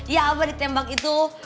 ya abah ditembak itu